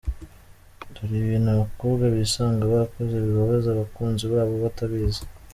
Dore ibintu abakobwa bisanga bakoze bibabaza abakunzi babo batabizi.